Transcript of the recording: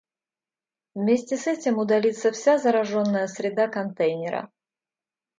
Вместе с этим удалится все зараженная среда контейнера